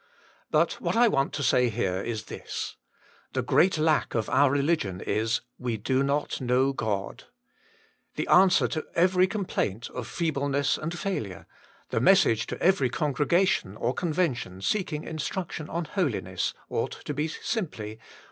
But what I want to say here is this : The great lack of our religion is, we do not Tcnow God, The answer to every complaint of feebleness and failure, the message to every congregation or convention seeking instruction on holiness, ought to be simply.